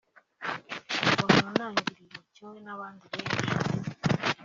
Kuva mu ntangiriro kimwe n’abandi benshi